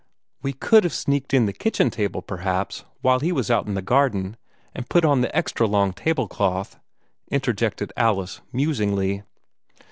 "We COULD have sneaked in the kitchen table, perhaps, while he was out in the garden, and put on the extra long tablecloth," interjected Alice, musingly.